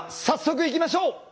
早速いきましょう。